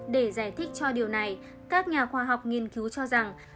để giải thích cho điều này các nhà khoa học nghiên cứu cho rằng